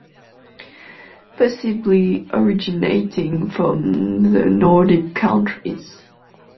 Possibly originating from the Nordic countries.